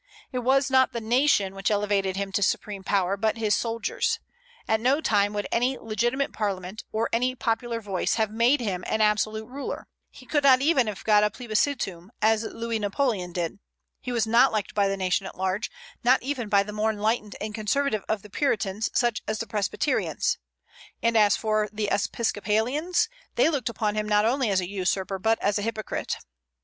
It was not the nation which elevated him to supreme power, but his soldiers. At no time would any legitimate Parliament, or any popular voice, have made him an absolute ruler. He could not even have got a plebiscitum, as Louis Napoleon did. He was not liked by the nation at large, not even by the more enlightened and conservative of the Puritans, such as the Presbyterians; and as for the Episcopalians, they looked upon him not only as a usurper but as a hypocrite.